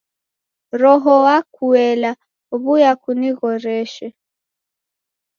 Roho wa kuela w'uya kunighoreshe.